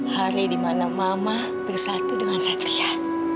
hari di mana mama bersatu dengan satria